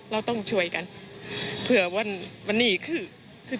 เราต้องช่วยกันเผื่อวันนี้คือ